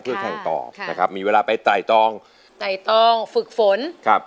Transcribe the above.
เพื่อแข่งต่อค่ะนะครับมีเวลาไปไต่ตองไต่ตองฝึกฝนครับ